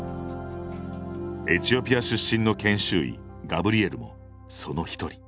エチオピア出身の研修医ガブリエルもその一人。